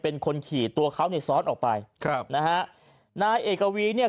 เป็นคนขี่ตัวเขาเนี่ยซ้อนออกไปครับนะฮะนายเอกวีเนี่ย